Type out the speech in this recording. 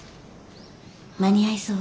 間に合いそう？